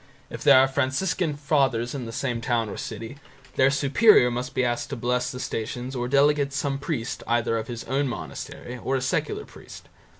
If there are Franciscan Fathers in the same town or city, their superior must be asked to bless the Stations or delegate some priest either of his own monastery or a secular priest.